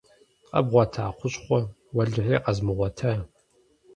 Къэбгъуэта хущхъуэ? - Уэлэхьи, къэзмыгъуэта!